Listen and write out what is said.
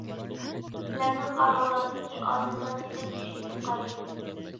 سىلەرنىڭ ئاراڭلاردىكى ئاجىزلارنى مەن كۈچلۈك دەپ قارايمەن.